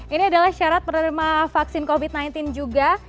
ini adalah syarat penerima vaksin covid sembilan belas juga